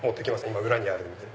今裏にあるんで。